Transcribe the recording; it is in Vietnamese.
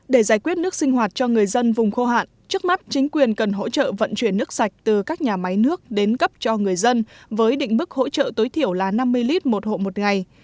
để giải quyết nước sinh hoạt cho người dân vùng khô hạn trước mắt chính quyền cần hỗ trợ vận chuyển nước sạch từ các nhà máy nước đến cấp cho người dân với định mức hỗ trợ tối thiểu là năm mươi lít một hộ một ngày